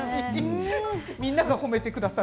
みんなが褒めてくださる。